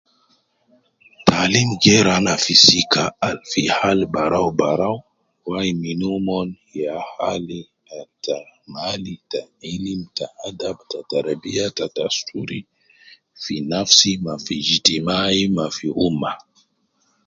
Taalim geeru ana fi sika al fi hal barau barau, wai min omon ya al ta hali ta ilim ta adab ta tarabiya ta dasturi fi nafsi ma fi ijtamayi ma gi umma